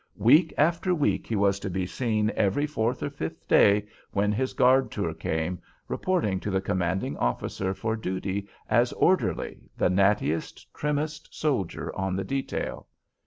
Week after week he was to be seen every fourth or fifth day, when his guard tour came, reporting to the commanding officer for duty as "orderly," the nattiest, trimmest soldier on the detail.